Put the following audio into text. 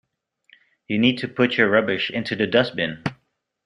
You need to put your rubbish into the dustbin